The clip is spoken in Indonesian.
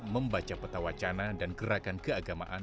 membaca peta wacana dan gerakan keagamaan